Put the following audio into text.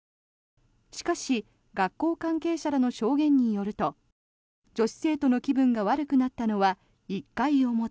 しかし学校関係者らの証言によると女子生徒の気分が悪くなったのは１回表。